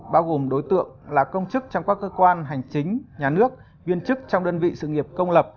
bao gồm đối tượng là công chức trong các cơ quan hành chính nhà nước viên chức trong đơn vị sự nghiệp công lập